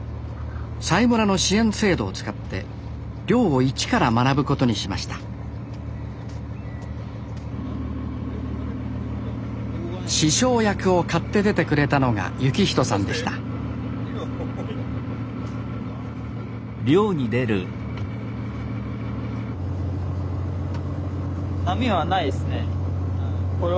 佐井村の支援制度を使って漁を一から学ぶことにしました師匠役を買って出てくれたのが幸人さんでした波はないですねうん。